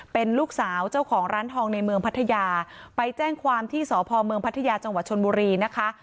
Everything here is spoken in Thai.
เป็นลูกสาวเจ้าของร้านทองในเมืองพัทยาไปแจ้งความที่สพเมืองพัทยาจังหวัดชนบุรีนะคะ